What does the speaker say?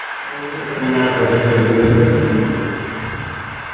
Estoy harta de tener que repetir siempre el mismo.